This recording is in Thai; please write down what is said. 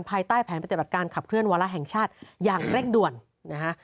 ภายใต้แผนปฏิบัติการขับเคลื่อนวาระแห่งชาติอย่างเร่งด่วนนะฮะ